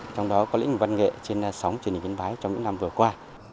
trong đó có lĩnh văn nghệ trên sóng truyền hình biến bái trong những năm vừa qua